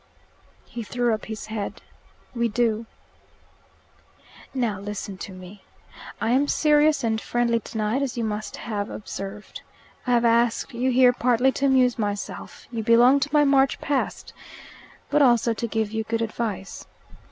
He threw up his head. "We do." "Now listen to me. I am serious and friendly tonight, as you must have observed. I have asked you here partly to amuse myself you belong to my March Past but also to give you good advice.